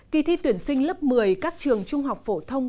kỳ thi tuyển sinh lớp một mươi các trường trung học phổ thông